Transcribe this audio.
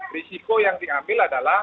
risiko yang diambil adalah